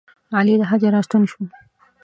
علي له حجه راستون شو.